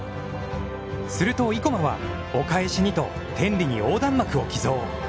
すると生駒は、お返しにと、天理に横断幕を寄贈。